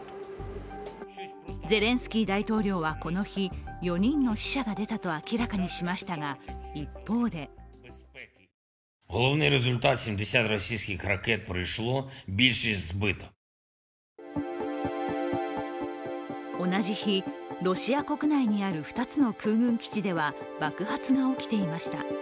ゼレンスキー大統領は、この日、４人の死者が出たと明らかにしましたが、一方で同じ日、ロシア国内にある２つの空軍基地では爆発が起きていました。